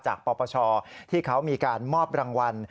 ปปชที่เขามีการมอบรางวัล